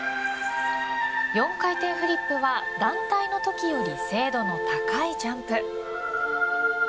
４回転フリップは団体のときより精度の高いジャンプ。